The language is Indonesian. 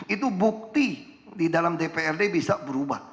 itu bukti di dalam dprd bisa berubah